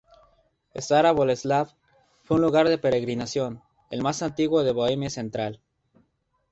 Stará Boleslav fue un lugar de peregrinación, el más antiguo de Bohemia Central.